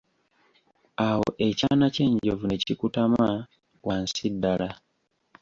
Awo ekyana ky'enjovu ne kikutama wansi ddala.